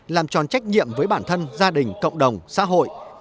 làm tròn trách nhiệm với bản thân gia đình cộng đồng xã hội